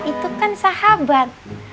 itu kan sahabat